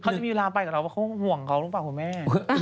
เขาจะมีเวลาไปกับเราว่าเขาห่วงเขาหรือเปล่าคุณแม่